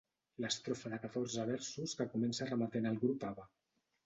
L'estrofa de catorze versos que comença remetent al grup Abba.